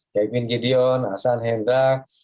kevin gideon hasan hendrak